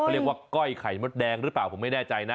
เขาเรียกว่าก้อยไข่มดแดงหรือเปล่าผมไม่แน่ใจนะ